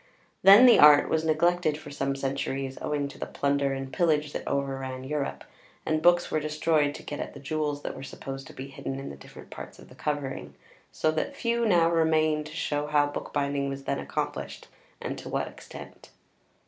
Then the art was neglected for some centuries, owing to the plunder and pillage that overran Europe, and books were destroyed to get at the jewels that were supposed to be hidden in the different parts of the covering, so that few now remain to show how bookbinding was then accomplished and to what extent.